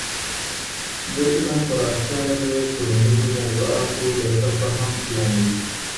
د علم پراختیا د ټولنیزو موضوعاتو د ښه فهم لامل دی.